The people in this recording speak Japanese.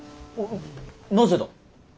なぜだ。